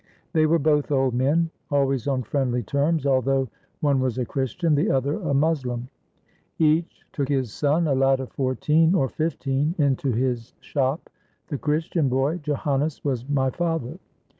They were both old men, al ways on friendly terms, although one was a Christian, the other a Moslem. Each took his son, a lad of fourteen or fifteen into his shop. The Christian boy, Joannes, was my father.